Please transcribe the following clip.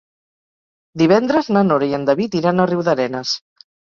Divendres na Nora i en David iran a Riudarenes.